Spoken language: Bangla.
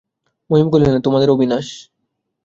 মহিম কহিলেন, তোমাদের অবিনাশ।